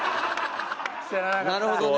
なるほどね。